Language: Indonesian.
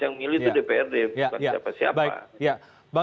yang milih itu dprd bukan siapa siapa